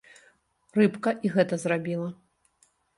Рыбка і гэта зрабіла.